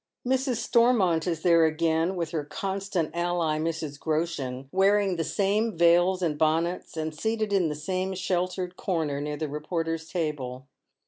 Mrs. Stormont is there again, with her constant ally Mrs. Groshen, wearing the same veils and bonnets, and seated in tlie same sheltered comer near the reporter's table.